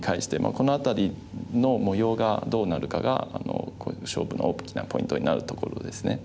この辺りの模様がどうなるかが勝負の大きなポイントになるところですね。